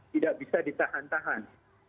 tidak bisa ditahan tahan